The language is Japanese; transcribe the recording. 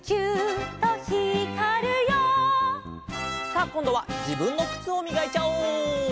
さあこんどはじぶんのくつをみがいちゃおう！